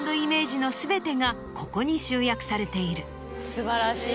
素晴らしい。